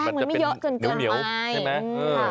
แป้งมันไม่เยอะจนเกลียวใช่ไหม